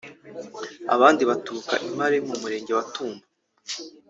abandi baturuka i Mpare (Mu Murenge wa Tumba)